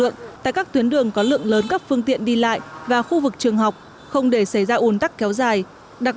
sản có lượng lớn các phương tiện đi lại và khu vực trường học không để xảy ra ồn tắc kéo dài đặc